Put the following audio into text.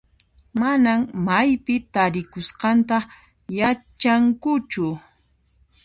Manan maypi tarikusqanta yachankuchu.